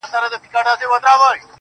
o جانان ارمان د هره یو انسان دی والله.